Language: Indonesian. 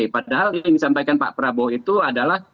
padahal yang disampaikan pak prabowo itu adalah